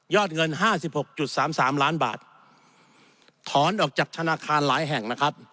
ยอดเงิน๕๖๓๓ล้านบาทถอนออกจากธนาคารหลายแห่ง